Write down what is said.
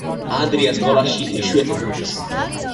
ანდრია სკოლაში იშვიათად დადის